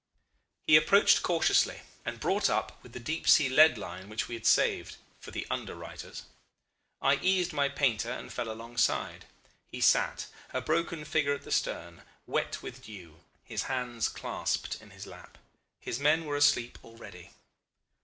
"He approached cautiously, and brought up with the deep sea lead line which we had saved for the under writers. I eased my painter and fell alongside. He sat, a broken figure at the stern, wet with dew, his hands clasped in his lap. His men were asleep already.